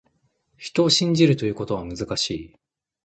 人を信じるということは、難しい。